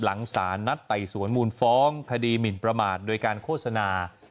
หลังสารนัดไต่สวนมูลฟ้องคดีหมินประมาทโดยการโฆษณา